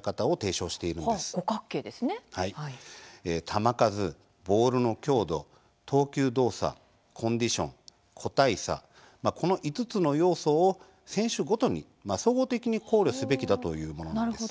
球数、ボールの強度投球動作、コンディション個体差、この５つの要素を選手ごとに総合的に考慮すべきだというものなんです。